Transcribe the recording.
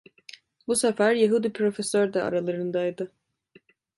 Bu sefer Yahudi profesör de aralarındaydı.